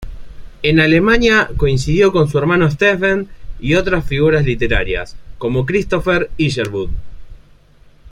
En Alemania coincidió con su hermano Stephen y otras figuras literarias, como Christopher Isherwood.